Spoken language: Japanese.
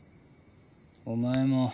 お前も。